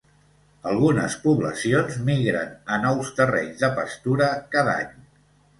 Algunes poblacions migren a nous terrenys de pastura cada any.